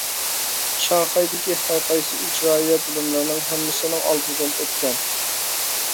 شاڭخەيدىكى ھەر قايسى ئىجرائىيە بۆلۈملىرىنىڭ ھەممىسىنىڭ ئالدىدىن ئۆتكەن.